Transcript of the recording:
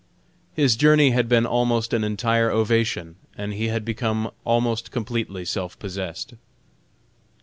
His journey had been almost an entire ovation, and he had become almost completely self possessed.